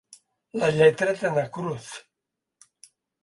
La lletra de na Cruz.